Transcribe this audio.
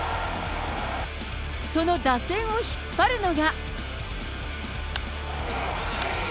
その打線を引っ張るのが。